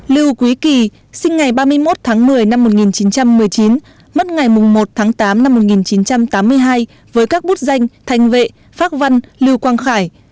lưu quý kỳ sinh ngày ba mươi một tháng một mươi năm một nghìn chín trăm một mươi chín mất ngày một tháng tám năm một nghìn chín trăm tám mươi hai với các bút danh thanh vệ pháp văn lưu quang khải